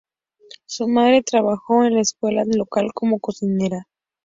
Su madre trabajó en la escuela local como cocinera.